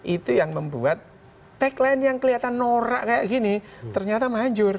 itu yang membuat tagline yang kelihatan norak kayak gini ternyata manjur